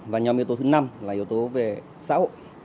và nhóm yếu tố thứ năm là yếu tố về xã hội